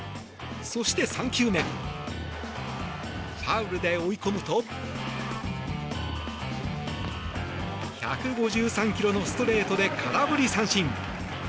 そして３球目ファウルで追い込むと１５３キロのストレートで空振り三振。